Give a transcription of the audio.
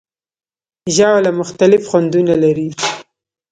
ژاوله مختلف خوندونه لري.